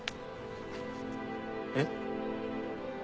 えっ？